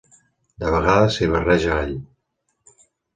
De vegades s'hi barreja all.